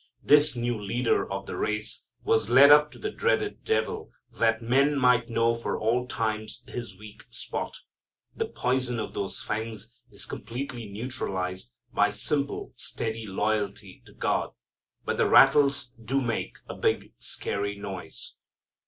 This new Leader of the race was led up to the dreaded devil that men might know for all time his weak spot. The poison of those fangs is completely neutralized by simple, steady loyalty to God. But the rattles do make a big scary noise.